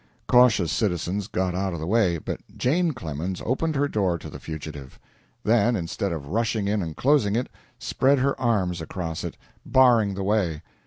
Cautious citizens got out of the way, but Jane Clemens opened her door to the fugitive; then, instead of rushing in and closing it, spread her arms across it, barring the way.